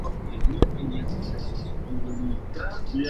La señal digital queda a los laterales de la analógica, reducida en amplitud.